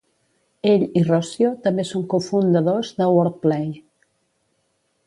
Ell i Rossio també són cofundadors de Wordplay.